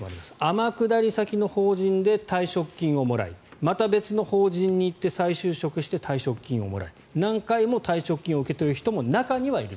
天下り先の法人で退職金をもらいまた別の法人に行って再就職して退職金をもらい何回も退職金を受け取る人も中にはいる。